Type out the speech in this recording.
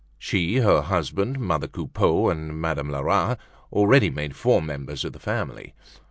She, her husband, mother Coupeau, and Madame Lerat, already made four members of the family.